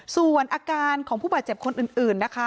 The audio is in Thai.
ส่วนอาการของผู้บาดเจ็บคนอื่นนะคะ